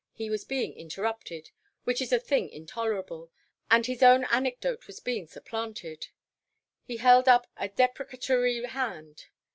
He was being interrupted, which is a thing intolerable, and his own anecdote was being supplanted. He held up a deprecatory hand.